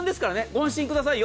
ご安心ください。